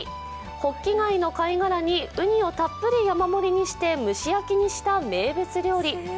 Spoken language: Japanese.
ほっき貝の貝殻にうにをたっぷり山盛りにして蒸し焼きにした名物料理。